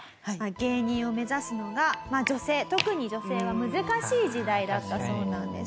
芸人を目指すのが女性特に女性は難しい時代だったそうなんです。